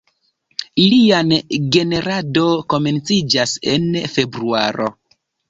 Ilian generado komenciĝas en februaro.